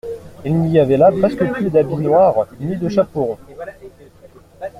Il n'y avait là presque plus d'habits noirs ni de chapeaux ronds.